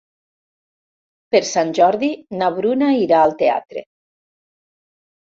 Per Sant Jordi na Bruna irà al teatre.